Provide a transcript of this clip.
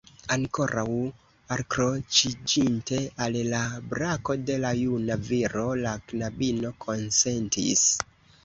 Ankoraŭ alkroĉiĝinte al la brako de la juna viro, la knabino konsentis: